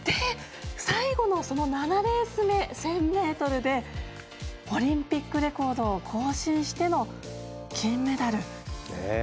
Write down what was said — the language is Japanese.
最後の７レース目、１０００ｍでオリンピックレコードを更新しての金メダル。